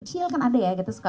cil kan ada ya